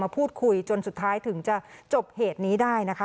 พูดคุยจนสุดท้ายถึงจะจบเหตุนี้ได้นะคะ